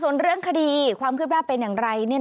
ส่วนเรื่องคดีความคืบหน้าเป็นอย่างไร